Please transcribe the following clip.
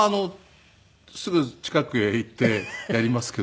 すぐ近くへ行ってやりますけど。